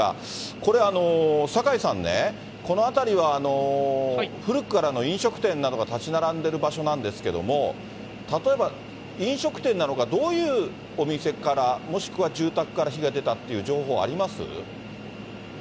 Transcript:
これ、酒井さんね、この辺りは、古くからの飲食店などが建ち並んでる場所なんですけども、例えば、飲食店なのか、どういうお店から、もしくは住宅から火が出たっていう情報あります？